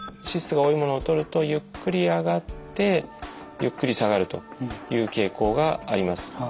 脂質が多いものをとるとゆっくり上がってゆっくり下がるという傾向があります。